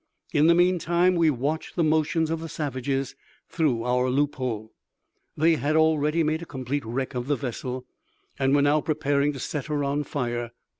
In the meantime we watched the motions of the savages through our loophole. They had already made a complete wreck of the vessel, and were now preparing to set her on fire.